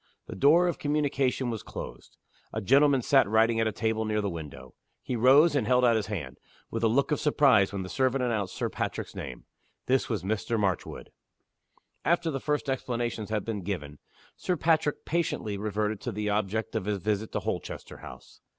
The door of communication was closed. A gentleman sat writing at a table near the window. He rose, and held out his hand, with a look of surprise, when the servant announced Sir Patrick's name. This was Mr. Marchwood. After the first explanations had been given, Sir Patrick patiently reverted to the object of his visit to Holchester House.